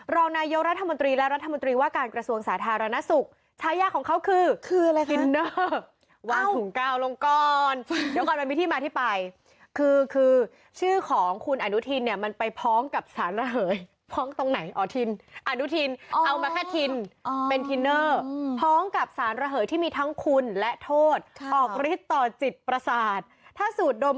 รัฐบาลองคล่วงบันทึม